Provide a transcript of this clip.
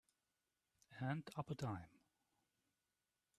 And up a dime.